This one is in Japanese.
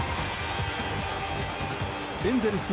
エンゼルス